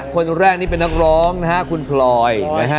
คนแรกเป็นนักร้องคุณพลอย